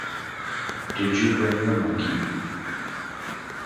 Did you bring your monkey?